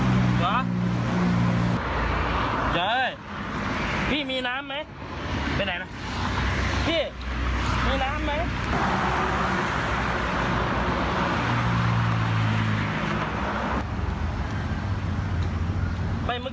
ต้องคิดมองตัวดาร์ทออกมามันค่อยอยู่แล้วก็เงียบนั้น